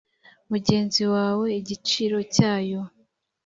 mugenzi wawe igiciro cyayo